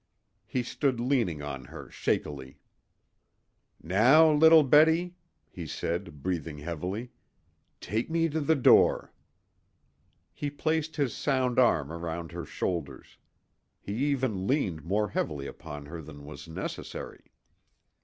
He stood leaning on her shakily. "Now, little Betty," he said, breathing heavily, "take me to the door." He placed his sound arm round her shoulders. He even leaned more heavily upon her than was necessary.